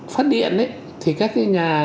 phát điện thì các cái nhà